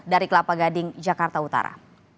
dari kelapa gading jakarta utara